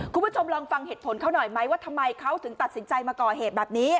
คุณผู้ชมลองฟังเหตุผลเขาหน่อยไหมว่าทำไมเขาถึงตัดสินใจมาก่อเหตุแบบนี้